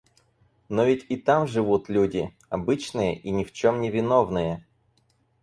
Но ведь и там живут люди! Обычные и ни в чем невиновные...